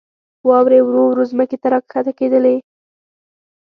واورې ورو ورو ځمکې ته راکښته کېدلې.